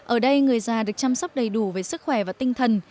ở đây người già được chăm sóc đầy đủ về sức khỏe và tinh thần